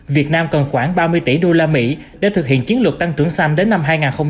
việt nam cần khoảng ba mươi tỷ usd để thực hiện chiến lược tăng trưởng xanh đến năm hai nghìn ba mươi